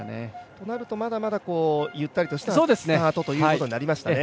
となるとまだまだゆったりしたスタートということになりましたね。